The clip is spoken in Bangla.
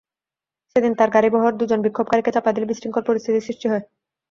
সেদিন তাঁর গাড়িবহর দুজন বিক্ষোভকারীকে চাপা দিলে বিশৃঙ্খল পরিস্থিতির সৃষ্টি হয়।